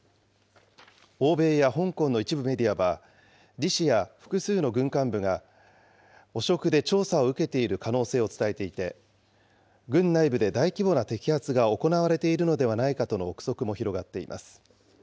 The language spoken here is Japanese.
欧米や香港の一部メディアは、李氏や複数の軍幹部が汚職で調査を受けている可能性を伝えていて、軍内部で大規模な摘発が行われているのではないかとの臆測も広がっています。